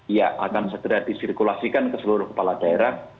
ya akan segera disirkulasikan ke seluruh kepala daerah